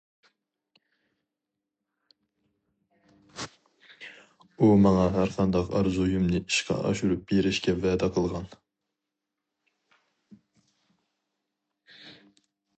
ئۇ ماڭا ھەرقانداق ئارزۇيۇمنى ئىشقا ئاشۇرۇپ بېرىشكە ۋەدە قىلغان.